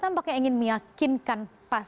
dan tampaknya ingin meyakinkan